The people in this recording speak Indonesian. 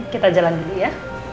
kita jalan dulu ya